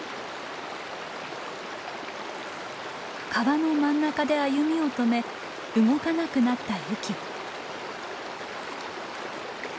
川の真ん中で歩みを止め動かなくなったユキ。